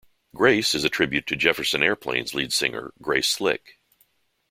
"Grace" is a tribute to Jefferson Airplane's lead singer, Grace Slick.